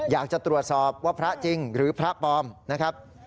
อยากจะตรวจสอบว่าพระจริงหรือพระปลอมนะครับ